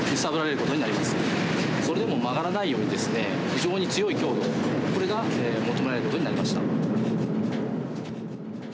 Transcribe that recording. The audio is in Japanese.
それでも曲がらないように非常に強い強度が求められる事になりました。